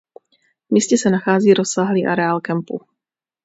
V místě se nachází rozsáhlý areál kempu.